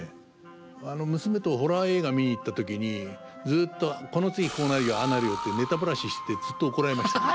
娘とホラー映画見に行った時にずっと「この次こうなるよああなるよ」ってネタバラししてずっと怒られましたね。